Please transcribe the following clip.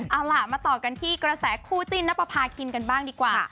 เอาล่ะมาต่อกันที่กระแสคู่จิ้นนับประพาคินกันบ้างดีกว่า